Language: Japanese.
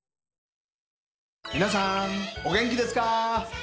皆さんお元気ですか？